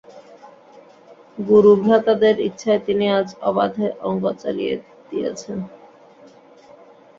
গুরুভ্রাতাদের ইচ্ছায় তিনি আজ অবাধে অঙ্গ ঢালিয়া দিয়াছেন।